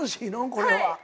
これは。